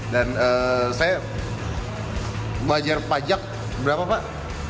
dan saya membayar pajak berapa pak